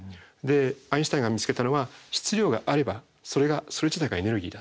アインシュタインが見つけたのは質量があればそれ自体がエネルギーだと。